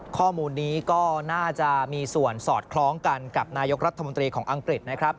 ข้อมูลนี้ก็น่าจะมีส่วนสอดคล้องกันกับนายกรัฐมนตรีของอังกฤษนะครับ